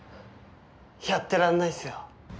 やってらんないっすよ。